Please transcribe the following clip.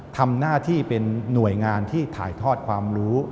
ทำหน้าที่เป็นหน่วยงานที่ถ่ายทอดความรู้